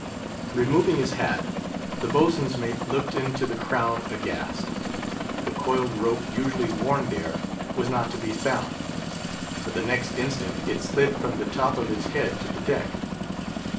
Removing his hat, the boatswain's mate looked into the crown aghast; the coiled rope, usually worn there, was not to be found; but the next instant it slid from the top of his head to the deck.